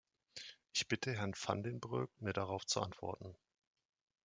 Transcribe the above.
Ich bitte Herrn Van den Broek, mir darauf zu antworten.